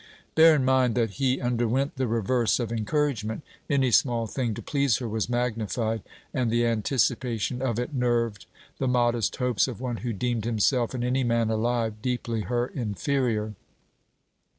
Bear in mind, that he underwent the reverse of encouragement. Any small thing to please her was magnified, and the anticipation of it nerved the modest hopes of one who deemed himself and any man alive deeply her inferior.